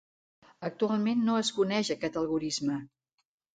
Actualment no es coneix aquest algorisme.